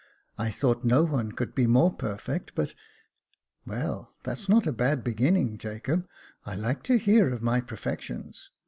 I thought no one could be more perfect, but " "Well, that's not a bad beginning, Jacob. I Uke to hear of my perfections.